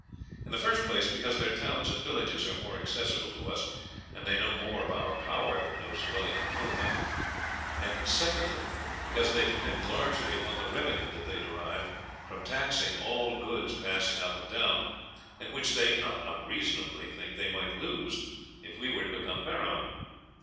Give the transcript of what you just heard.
"In the first place, because their towns and villages are more accessible to us, and they know more of our power than those dwelling in the hill country; and, secondly, because they depend largely upon the revenue that they derive from taxing all goods passing up and down, and which they not unreasonably think they might lose if we were to become paramount.